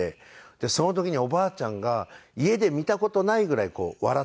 その時におばあちゃんが家で見た事ないぐらい笑っていたらしいんですね。